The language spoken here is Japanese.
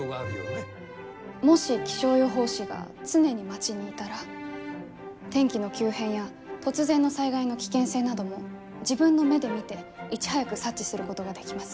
もし気象予報士が常に町にいたら天気の急変や突然の災害の危険性なども自分の目で見ていち早く察知することができます。